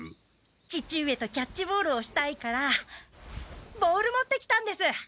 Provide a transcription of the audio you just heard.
父上とキャッチボールをしたいからボール持ってきたんです。